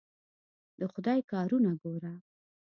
د خدای کارونه ګوره.